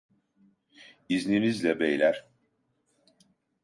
İzninizle beyler.